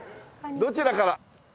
どちらから？